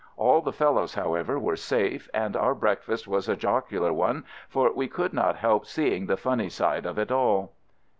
All the fellows, however, were safe, and our breakfast was a jocular one, for we could not help seeing the funny side of it all.